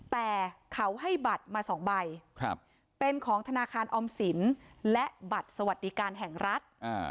แต่เขาให้บัตรมา๒ใบเป็นของธนาคารออมสินและบัตรสวัสดิการแห่งรัฐ